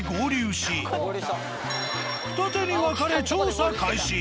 二手に分かれ調査開始。